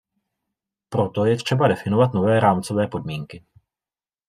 Proto je třeba definovat nové rámcové podmínky.